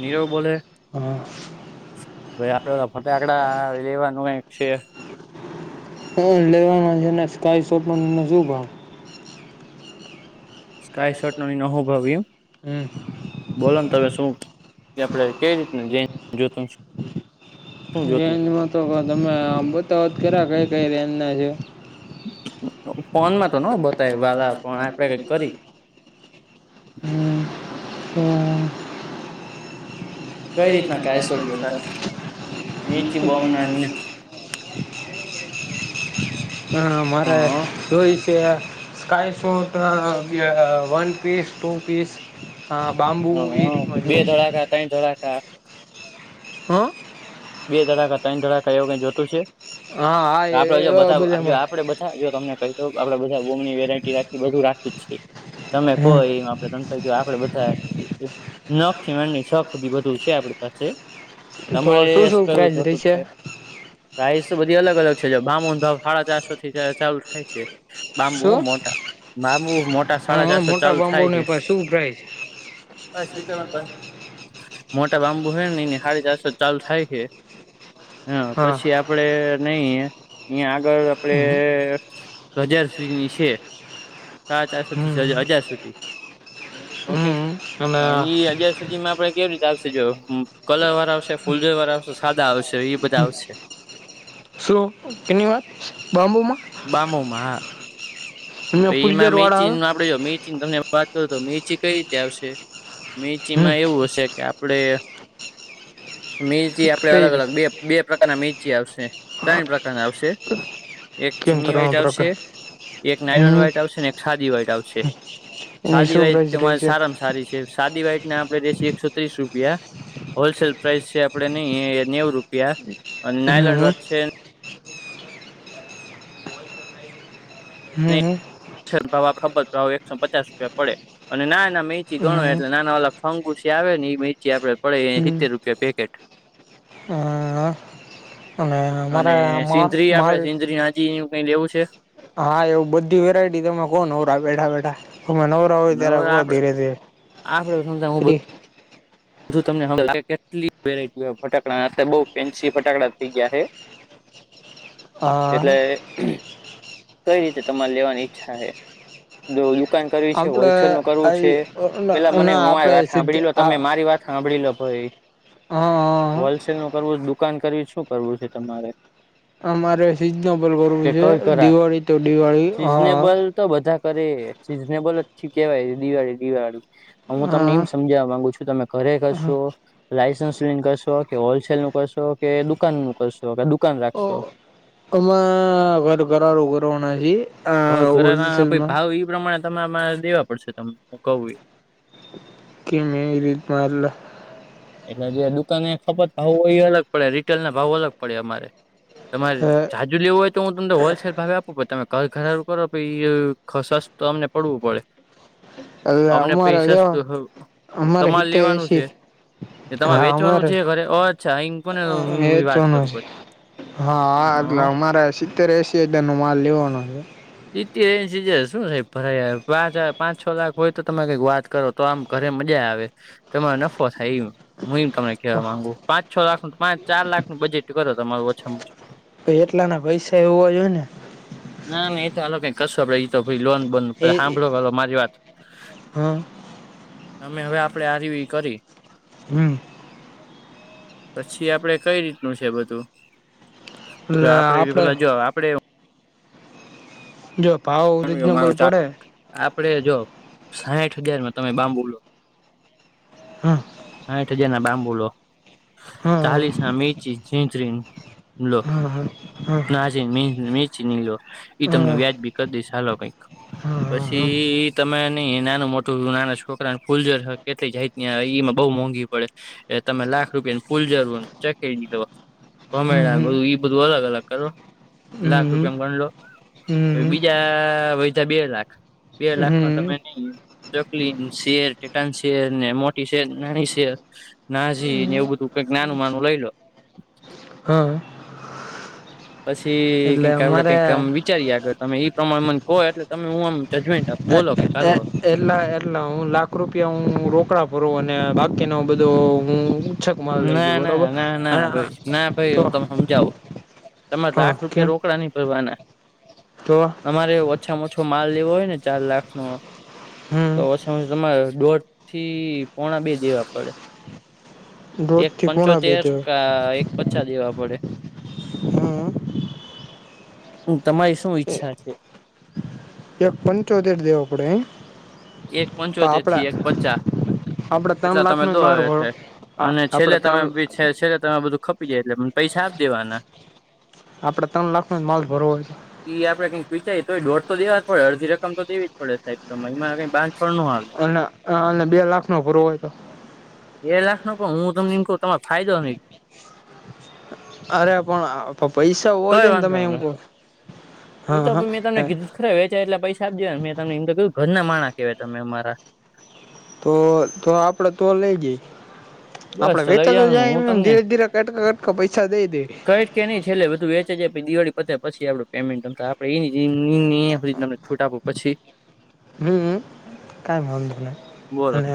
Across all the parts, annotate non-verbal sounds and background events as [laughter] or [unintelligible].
નીરવ બોલે હા [unintelligible] ફટાકડા આ લેવાનું હોય છે. લેવાના છે ને સ્કાય શોટ પણ શુંભાવ સ્કાય શોટ નો બી નવો ભાવ રયો હ બોલો ને તમે શું આપડે કેવી રીત જે જોતા છે. રેન્જમાં તો તમે આમ બતાવો તો ખરા કઈ કઈ રેન્જના છે ફોનમાં તો ન બતાય વાલા પણ આપળે કઈક કરી [unintelligible] [unintelligible] કઈ રીતના કાયસો જોતા નીચી બોમ્બ નાની હા હ મારા જોઈ છે સ્કાય શોટ અ વન પીસ ટુ પીસ હા બાંબુ એ રીતમાં જ હોય છે જય દ્વારકા હા બે ધડાકા ત્રણ ધડાકા એવુ કાંઈ થતું હશે હા હા આપડે જો એવા બધા બધામાં આપડે બધ જો તમને તો આપડે બધા બોમની વેરાયટી રાખી બધું રાખી જ છી તમે કહો હમ એમ આપડે ત જો આપડે બધા નખથી માંડી [unintelligible] સુધી બધું છે આપડી પાસે તો તમારે શું શું પ્રાઇઝ રહી છે? [unintelligible] પ્રાઇસ તો બધી અલગ અલગ છે જો [unintelligible] ભામોન ભાવ સાડા ચારસો થી ચાલુ થાય છે બાંબુ શું? મોટા બાંબુ મોટા સાડા હા ચારસો મોટા ચાલુ થાય બાંબોને છે પણ શું પ્રાઇસ [unintelligible] મોટા બાંબુ હોય નને હારી ચારસોથી ચાલુ થાય છે હા પછી આપડે નઈ અહીં આગળ આપડે હમ હજાર સુધીની છે સાડા હમ ચારસોથી હજાર સુધી ઓકે હમ અને પણ અહી અત્યાર સુધી માં આપડે કેવી [unintelligible] જો કલર વાળા આવશે ફૂલ ઝાડ વાળા આવશે સાદા આવશે એ બધા આવશે શું [unintelligible] બામું માં હા તો એમાં ફૂલઝર વાળા આવે હમ [unintelligible] [unintelligible] આપડે મેલ થી આપડે કઈ અલગ રીત અલગ બે બે પ્રકારના મેલ થી આવશે ત્રણ પ્રકારના આવશે એક કેમ ચીની ત્રણ વાઈટ આવશે પ્રકાર એક નાયલોન હમ વ્હાઈટ આવશે ને એક ખાદી વ્હાઇટ આવશે એની ખાદી શું વ્હાઈટ પ્રાઇસ રહી તમારી છે સારામાં સારી છે. સાદી વાઈટ ના આપડે જે છે એકસો ત્રીસ રૂપિયા હોલસેલ પ્રાઇસ છે આપડે નઈ નેવું રૂપિયા અને હમ નાયલોન [unintelligible] હમ્મ હમ્મ [unintelligible] એકસો પચાસ રૂપિયા પડે. [unintelligible] આપડે હમ પડે એ હમ સિત્તેર રૂપિયા પેકેટ અ, અને મારે અને મા સિંધરી માલ આપડે સિંધરી નાજી એવું કઈ લેવું છે હા એવું બધી વેરાયટી તમે કો નવરા બેઠા બેઠા તમે નવરા [unintelligible] આપડે ધીરે ધીરે આપડે સમજ હું તમને લાગે કેટલી વેરાયટી [unintelligible] બઉ ફેન્સી ફટાકડા થઇ ગયા હે. [inaudible] એટલે કઈ રીતે તમારે લેવાની ઈચ્છા હે દુકાન કરવી છે આપડે હોલસેલ નું કરવું છે આ પેલા મને ના મારી આપડે વાત સીધ સાંભળી લો તમે આ મારી વાત સાંભળી લો ભઇ હા હોલસેલ નું કરવું દુકાન કરવી શું કરવું છે તમારે અમારે સિઝનેબલ કરવું કે છે કઈ કરા દિવાળી તો દિવાળી હા સિઝનેબલ તો બધા કરે સીઝનેબલ જ કેવાય દિવાળી દિવાળી હું તમને એમ હા સમજાવવા માંગુ છુ તમે ઘરે હા કરશો લાયસન્સ લઈને કરશો કે હોલસેલ નું કરશો કે દુકાન નું કરશો કે દુકાન ઓ રાખશો આમાં [unintelligible] કરવાના છીએ ક ઘરના પહી ભાવ ઈ પ્રમાણે તમારે દેવા પડશે તમને હું કહું એ [unintelligible] એટલે જે દુકાન એ ખપત ભાવ હોય એ અલગ પડે રિટેલ ના ભાવો અલગ પડે અમારે તમારે [unintelligible] લેવું હોય તો હું તમને હોલસેલ ભાવે આપવું પન તમે [unintelligible] અમને પડવું પડે એટલે અમને પૈ અમારે લેવા સસ્તું અમારે તમારે હિતેર લેવાનું છે એસી એ તમા હા વેચવાનું અમારે છે ઘરે ઓ અચ્છા વેચવાનો છે [unintelligible] હા હ એટલે અમારે સિત્તેર એસી હજાર નો માલ લેવાનો છે. સીતેર એંસી હજાર શું સાહેબ [unintelligible] પાંચ પાંચ છ લાખ હોય તો તમે કઈક વાત કરો તો આમ ઘરે મજા આવે તમારો નફો થાય એમ હું એમ તમને કવા માંગુ પાંચ છ લાખનું પાંચ ચાર લાખ નું બજેટ કરો તમારું ઓછા માં ઓછું એટલાના પૈસા એ હોવા જોઈ ને ના એ તો હાલો કઈ કરશું આપડે ભાઈ લોન [unintelligible] એ હાંભળો પેલા મારી વાત હા અમે હવે આપડે આ રવી કરી હમ્મ પછી આપડે કઈ રીતનું છે બધું જો આપડે પેલા જો આપડે જોબ આરહ્યો મારો ચાર આપડે જો સાઠ હજારમાં તમે બાંબુલો હમ્મ. સાઠ હજાર ના બાંબુલો હા ચાલીસ ના મિર્ચી જહીન્ટ્રીન લો હા હા હા ના જી મેન મેચી નઈ લો ઈ તમને હા વ્યાજ બી કરી દઈશ ચાલો કંઈક હા હા પછી તમે નઈ નાનું મોટું નાના છોકરા ન ફૂલઝર હ કેતી જાય ન્યાં ઈમાં બઉુ મોંઘી પડે એ તમે લાખ રૂપિયા ની ફૂલ જરૂર ચેક કરી દીધો હમ ભમેડાન બધું ઈ અલગ અલગ કરો લાખ હમ રૂપિયામાં ગણલો પછી હમ બીજા આ વધ્યા બે લાખ બે લાખમાં હમ તમે નઈ ચકલીન શેર [unintelligible] શેર ને મોટી શેર નાની શેર નાઝી ને એવું બધું કંઈક નાનું મનુ લઈ લો હ પછી કઈક આપડે કઈક આમ વિચારીએ આગળ તમે ઈ પ્રમાણમાં કો એટલે તમને હું આમ જજમેન્ટ આપ અ બોલો કઈક અ અ હાલો એટલા એટલા હું લાખ રૂપિયા હું રોકડા ભરૂ અને બાકીનો બધું હું [unintelligible] માલ લઈ જે ના ના બરોબર ના ના અને આ ભાઈ ના ભાઈ તો હું તમને સમજાવું તમારે હા લાખ રૂપિયા કેમ રોકડા નહી ભરવાના. તો તમારે ઓછામાં ઓછો માલ લેવો હોય ને ચાર લાખ નો હમ તો તમે તમારે દોઢ થી પોણા બે દેવા પડે. દોઢ એક થી પોણા બે પંચોતેર દેવા કા એક પચા દેવા પડે. હમ તમારી શું ઈચ્છા છે? એક પંચોતેર દેવા પડે એ એક પંચોતેર થી એક પચા આપડે ત્રણ એટલા લાખ તમે નો જ દો માલ ભરો એટલે અને આપડે છેલ્લે તમે ત્રણ બી છે છેલ્લે તમે બધું ખપી જાય એટલે મને પૈસા આપ દેવાના આપડે ત્રણ લાખ નો જ માલ ભરવો હોય તો ઈ આપડે કઈક વિચાર્યે તોય દોઢ તો દેવા જ પડે અડધી રકમ તો દેવી જ પડે સાહેબ તમે એમ આવે બા છનનું અન અને બે લાખ નો ભરવો હોય તો બે લાખનો પણ હું તમને ઇમ કવ અરે પણ પ પૈસા હોવા કઈ જોવે ને તમે વાંધો એમ નહી કો એ તો મેં તમને કીધું તો ખરા વેચ્યાય એટલા પૈસા આપ દેવાના મેં તમને ઇમ તો કીધું ઘરના માણા કેવાય તમે અમારા તો તો આપડે તો લઈ જઈ આપડે બસ તો લઈ વેચાતો જવાનું જાય હું એમ તમને ધીરે ધીરે કટકા-કટકા પૈસા દઈ દઈ કઈ કે નહીં છેલ્લે બધું વેચઈ જાય પહી દિવાળી પતે પછી આપડું પેમેન્ટ તમતાર [unintelligible] છૂટ આપો પછી હમ્મ. કાઇ વાંધો નઈ બોલો અને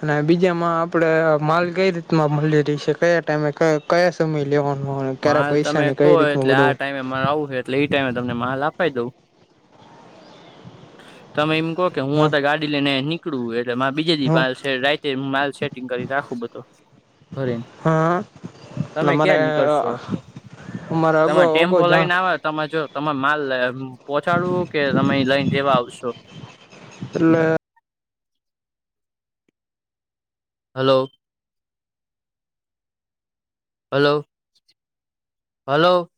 અને બીજામાં આપણે માલ કઈ રીતમાં મળી રેસે કયા ટાઈમે ક કયા સમય લેવાનો અને ક્યારે પૈસાને કઈ રીતમાં બધું માર આવું હે એટલે ઈ ટાઈમે તમને માલ આપાઈ દઉં તમે એમ કોકે હ હું અતાર ગાડી લેને નીકળું હું એટ એટલે માર બીજે હ દી રાતે માલ સેટિંગ કરી રાખું બધું, ભરીન. હ. તમે ક્યાંર નીકળશો? મારે તમાર અગાઉ ટેમ્પો અગાઉ જાણ લઈને આવ તમાં જો. તમાં માલ પહોંચાડવું કે તમે લઈને દેવા આવશો? એટલે? હલો. હલો. હલો.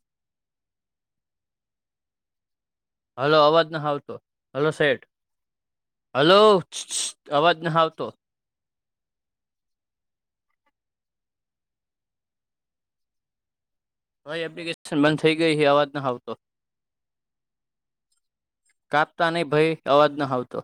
હલો અવાજ નહ આવતો, હલો સેઠ. હલો, અવાજ નહ આવતો. ઓય એપ્લિકેશન બંધ થઈ ગઈ હે અવાજ નહ આવતો. કાપતા નઈ ભઈ અવાજ નહ આવતો.